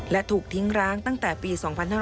และถูกทิ้งร้างตั้งแต่ปี๒๕๕๙